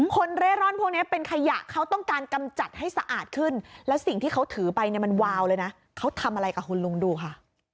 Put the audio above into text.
เร่ร่อนพวกนี้เป็นขยะเขาต้องการกำจัดให้สะอาดขึ้นแล้วสิ่งที่เขาถือไปเนี่ยมันวาวเลยนะเขาทำอะไรกับคุณลุงดูค่ะ